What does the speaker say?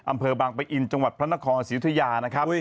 อำเภอบางปะอินจังหวัดพระนครศรียุธยานะครับ